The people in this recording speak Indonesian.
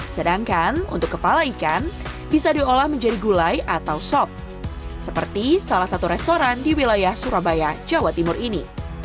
sedangkan untuk kepala ikan bisa diolah menjadi gulai atau sop seperti salah satu restoran di wilayah surabaya jawa timur ini